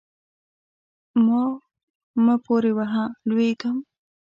ما مه پورې وهه؛ لوېږم.